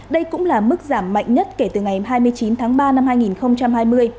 đây cũng là mức giảm mạnh nhất kể từ ngày hai mươi chín tháng ba năm hai nghìn hai mươi